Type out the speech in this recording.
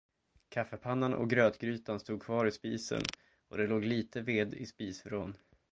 Kaffepannan och grötgrytan stod kvar i spisen, och det låg litet ved i spisvrån.